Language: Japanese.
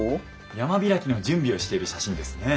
山開きの準備をしている写真ですね。